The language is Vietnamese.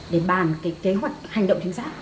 để bàn cái kế hoạch hành động chính xác